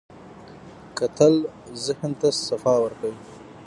کتل ذهن ته صفا ورکوي